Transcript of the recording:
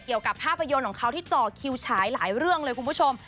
เกี่ยวกับภาพยนตร์ของเขาที่ต่อคิวฉายหลายเรื่องเลยคุณผู้ชม